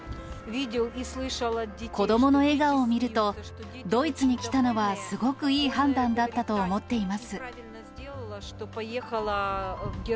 子どもの笑顔を見ると、ドイツに来たのはすごくいい判断だったと思っています。